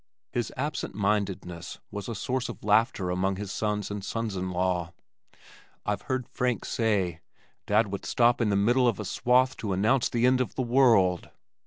His absent mindedness was a source of laughter among his sons and sons in law. I've heard Frank say: "Dad would stop in the midst of a swath to announce the end of the world."